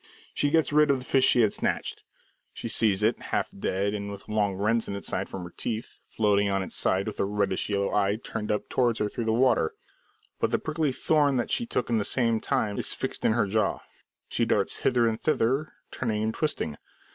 She gets rid of the fish she had snatched; she sees it, half dead and with long rents in its sides from her teeth, floating on its side with a reddish yellow eye turned up towards her through the water. But the prickly thorn that she took in at the same time is fixed in her jaw. She darts hither and thither, turning and twisting.